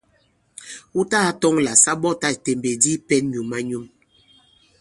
Wu tagā tɔŋ là sa ɓɔtā ìtèmbèk di i pɛ̄n nyǔm-a-nyum.